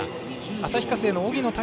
旭化成の荻野太